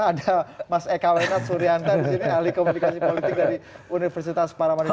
ada mas eka wenat suryanta di sini ahli komunikasi politik dari universitas paramana